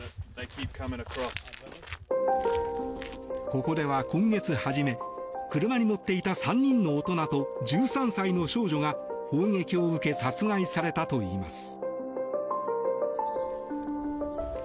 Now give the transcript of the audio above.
ここでは今月初め車に乗っていた３人の大人と１３歳の少女が砲撃を受け殺害されたといいます。